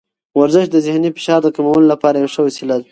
ورزش د ذهني فشار د کمولو لپاره یوه ښه وسیله ده.